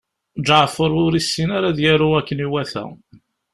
Ǧeɛfer ur yessin ara ad yaru akken iwata.